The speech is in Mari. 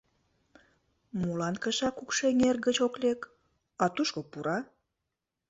Молан кыша Кукшеҥер гыч ок лек, а тушко пура?